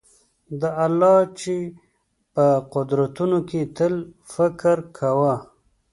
د الله چي په قدرتونو کي تل فکر کوه